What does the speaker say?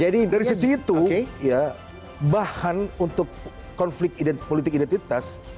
dari situ bahan untuk konflik politik identitas